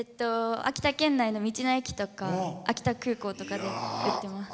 秋田県内の道の駅とか秋田空港とかで置いてます。